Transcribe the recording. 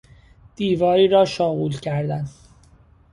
دیواری را شاغول کردن